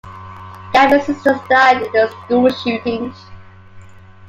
Gabby's sister died in a school shooting.